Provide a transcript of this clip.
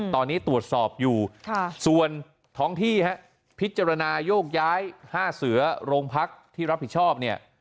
ตอนนี้ตรวจสอบอยู่ส่วนท้องที่พิจารณาโยกย้าย๕เสือโรงพักที่รับผิดชอบเนี่ย